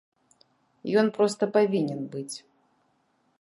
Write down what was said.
Ён проста павінен быць.